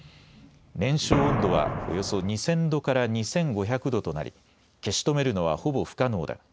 燃焼温度はおよそ２０００度から２５００度となり消し止めるのは、ほぼ不可能だ。